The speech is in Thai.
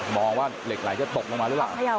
มองว่าเหล็กไหลจะตกลงมาหรือเปล่า